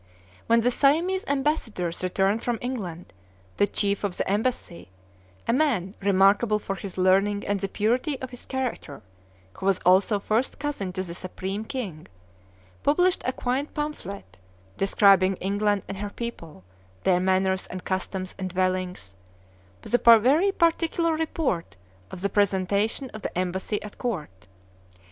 When the Siamese ambassadors returned from England, the chief of the embassy a man remarkable for his learning and the purity of his character, who was also first cousin to the Supreme King published a quaint pamphlet, describing England and her people, their manners and customs and dwellings, with a very particular report of the presentation of the embassy at court.